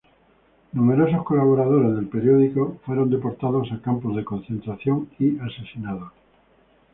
Numerosos colaboradores del periódico fueron deportados a campos de concentración y asesinados.